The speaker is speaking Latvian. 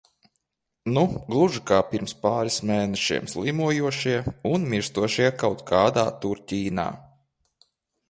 Nu gluži kā pirms pāris mēnešiem slimojošie un mirstošie kaut kādā tur Ķīnā.